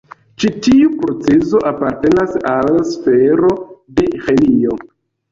Ĉi tiu procezo apartenas al sfero de ĥemio.